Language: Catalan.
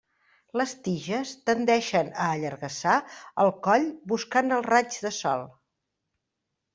Les tiges tendeixen a allargassar el coll buscant el raig del sol.